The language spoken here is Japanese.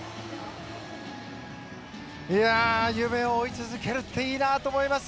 夢を追い続けるっていいなと思います。